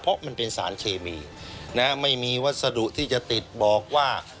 เพราะมันเป็นสารเคมีนะไม่มีวัสดุที่จะติดบอกว่า